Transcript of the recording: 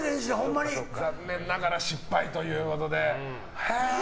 残念ながら失敗ということで。